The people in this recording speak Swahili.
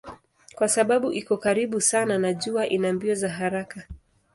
Kwa sababu iko karibu sana na jua ina mbio za haraka.